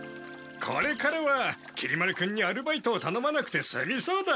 これからはきり丸君にアルバイトをたのまなくてすみそうだ！